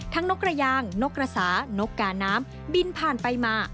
นกระยางนกกระสานกกาน้ำบินผ่านไปมา